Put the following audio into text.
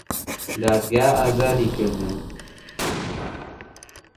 دادگا ئازادی کردن